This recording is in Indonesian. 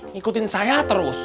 ngikutin saya terus